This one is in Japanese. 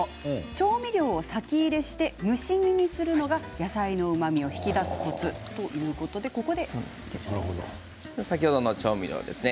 調味料を先入れして蒸し煮にするのが野菜のうまみを引き出すコツ先ほどの調味料ですね。